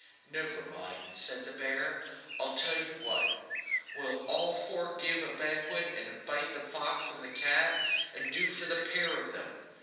"Never mind," said the bear. "I tell you what, we'll all four give a banquet, and invite the fox and the cat, and do for the pair of them.